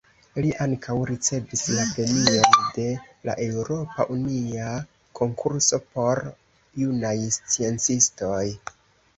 Li ankaŭ ricevis la premion de la Eŭropa Unia Konkurso por Junaj Sciencistoj.